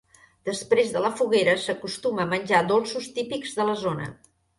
Després de la foguera s’acostuma a menjar dolços típics de la zona.